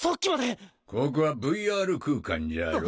ここはＶＲ空間じゃろ？